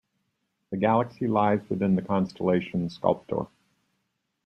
The galaxy lies within the constellation Sculptor.